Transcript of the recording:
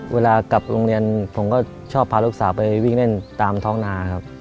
เวลากลับโรงเรียนผมก็ชอบพาลูกสาวไปวิ่งเล่นตามท้องนาครับ